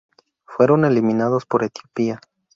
Fueron eliminados por Etiopía.